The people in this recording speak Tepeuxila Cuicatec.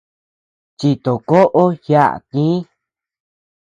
Chitokoʼo yaʼa tï.